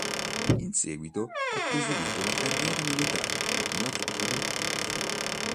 In seguito ha proseguito la carriera militare nella flotta del Baltico.